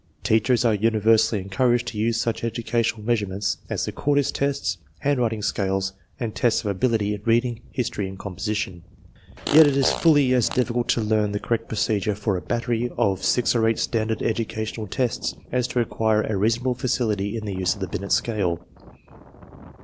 Teachers are universally encouraged to use such educational measurements as the Courtis tests, handwriting scales, and tests of ability in reading, history, and composition. Yet, it is fully as difficult to learn the correct procedure for a " battery " of six or eight standard educational tests as to acquire a reasonable facility in the use of the Binet scale.